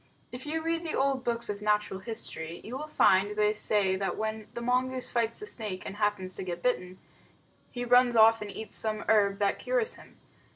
If you read the old books of natural history, you will find they say that when the mongoose fights the snake and happens to get bitten, he runs off and eats some herb that cures him.